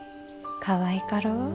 かわいかろう。